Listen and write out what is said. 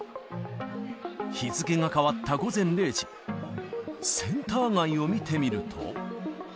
日付が変わった午前０時、センター街を見てみると。